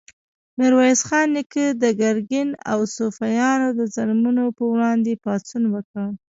میرویس خان نیکه د ګرګین او صفویانو د ظلمونو په وړاندې پاڅون وکړ.